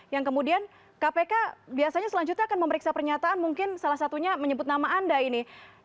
yang kemudian kpk biasanya selanjutnya akan memeriksa pernyataan mungkin salah satunya menyebut nama anda ini